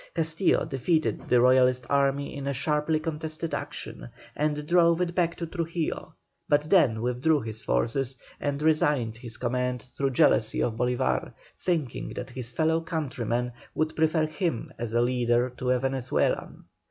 Castillo defeated the Royalist army in a sharply contested action, and drove it back to Trujillo, but then withdrew his forces and resigned his command through jealousy of Bolívar, thinking that his fellow countrymen would prefer him as a leader to a Venezuelan.